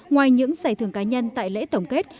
ngoài những giải thưởng cá nhân tại lễ tổng kết